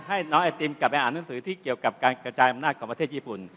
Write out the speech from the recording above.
ให้น้องไอติมกลับไปอ่านหนังสือที่เกี่ยวกับการกระจายอำนาจของประเทศญี่ปุ่น